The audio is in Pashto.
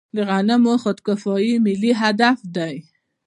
د غنمو خودکفايي ملي هدف دی.